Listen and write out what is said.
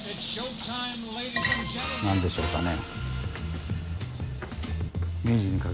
何でしょうかね。